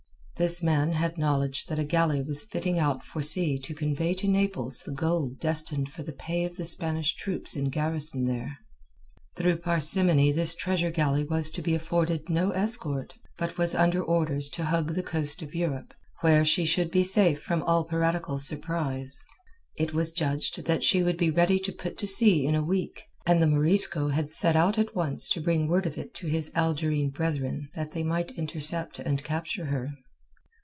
This man had knowledge that a galley was fitting out for sea to convey to Naples the gold destined for the pay of the Spanish troops in garrison there. Through parsimony this treasure galley was to be afforded no escort, but was under orders to hug the coast of Europe, where she should be safe from all piratical surprise. It was judged that she would be ready to put to sea in a week, and the Morisco had set out at once to bring word of it to his Algerine brethren that they might intercept and capture her.